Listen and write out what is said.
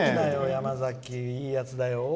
山崎いいやつだよ。